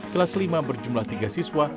kelas lima berjumlah tiga siswa